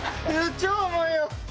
超重いよ！